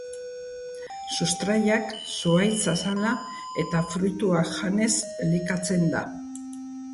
Sustraiak, zuhaitz azala eta fruituak janez elikatzen da.